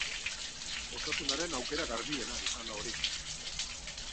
Osasunaren aukera garbiena izan da hori.